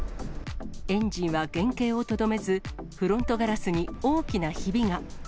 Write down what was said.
エンジンは原形をとどめず、フロントガラスに大きなひびが。